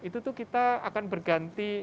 itu kita akan berganti